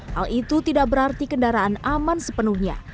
hal itu tidak berarti kendaraan aman sepenuhnya